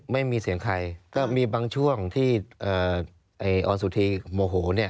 ไม่มีเสียงใครก็มีบางช่วงที่ออนสุธีโมโหเนี่ย